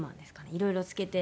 いろいろ漬けて。